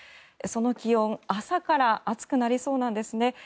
その気温、朝から暑くなりそうなんですね。